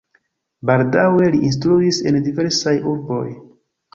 Baldaŭe li instruis en diversaj urboj.